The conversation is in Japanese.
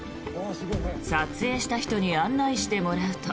撮影した人に案内してもらうと。